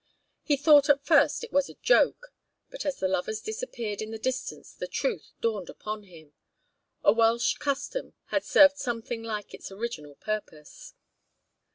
He thought at first it was a joke, but as the lovers disappeared in the distance the truth dawned upon him: a Welsh custom had served something like its original purpose.